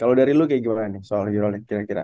kalau dari lu kayak gimana nih soal euroli kira kira